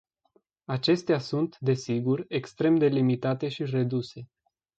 Acestea sunt, desigur, extrem de limitate și reduse.